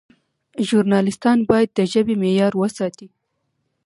ژورنالیستان باید د ژبې معیار وساتي.